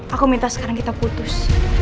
aku minta sekarang kita putus